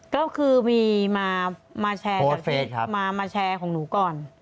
ก็คือมีมาแชร์ของหนูก่อน